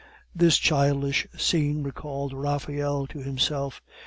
This childish scene recalled Raphael to himself.